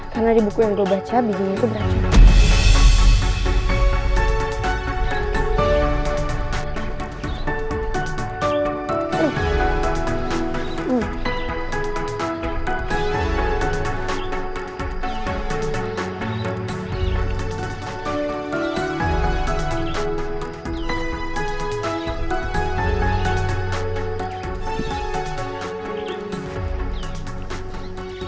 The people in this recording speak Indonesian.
karena di buku yang gue baca bijinya tuh berat